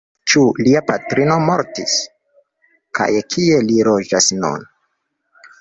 Ĉu lia patrino mortis!? kaj kie li loĝas nun?